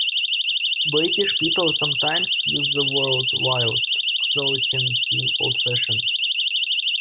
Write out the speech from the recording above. British people sometimes use the word whilst, though it can seem old fashioned